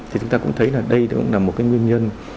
thì chúng ta cũng thấy là đây cũng là một cái nguyên nhân